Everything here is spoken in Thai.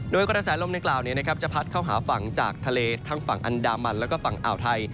โดยกระแสลมในกล่าวจะพัดเข้าหาฝั่งจากทะเลทั้งฝั่งอันดามันแล้วก็ฝั่งอ่าวไทย